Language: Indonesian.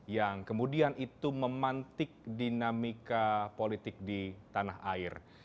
yang kemudian itu memantik dinamika politik di tanah air